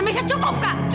masha cukup gak